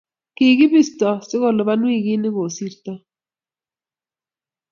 kikibisto si kuluban wikii ne kosirto